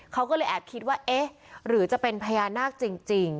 เขาก็เลยแอบคิดว่าเอ๊ะหรือจะเป็นพญานาคจริง